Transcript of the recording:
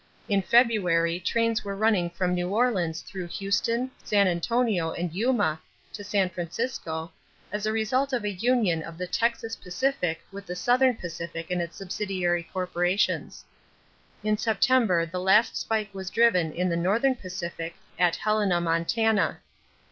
In February trains were running from New Orleans through Houston, San Antonio, and Yuma to San Francisco, as a result of a union of the Texas Pacific with the Southern Pacific and its subsidiary corporations. In September the last spike was driven in the Northern Pacific at Helena, Montana.